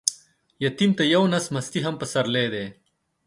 يتيم ته يو نس مستې هم پسرلى دى.